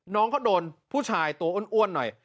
น้องเขาโดนผู้ชายตัวอ้วนหน่อย